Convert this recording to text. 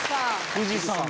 富士山だ。